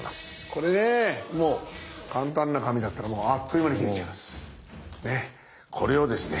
これね簡単な紙だったらもうあっという間に切れちゃいます。ね。